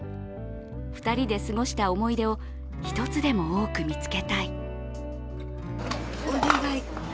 ２人で過ごした思い出を一つでも多く見つけたい。